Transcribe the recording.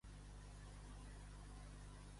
Ensenya'm el contacte que tinc guardat de ma mare.